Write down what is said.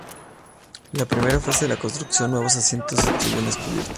La primera fase de la construcción nuevos asientos y tribunas cubiertas.